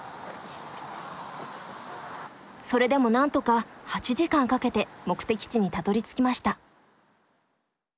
それでもなんとか８時間かけて目的地にたどりつきました。